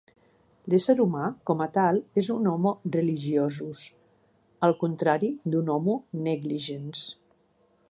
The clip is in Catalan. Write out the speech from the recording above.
L'ésser humà com a tal és un "homo religiosus", el contrari d'un "homo negligens".